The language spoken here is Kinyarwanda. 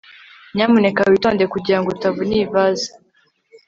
nyamuneka witonde kugirango utavuna iyi vase